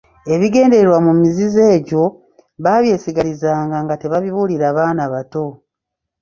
Ebigendererwa mu mizizo egyo baabyesigalizanga nga tebabibuulira baana bato.